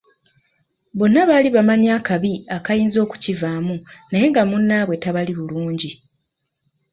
Bonna baali bamanyi akabi akayinza okukivaamu naye nga munnaabwe tabali bulungi.